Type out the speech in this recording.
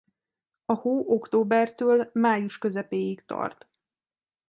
A hó októbertől május közepéig tart.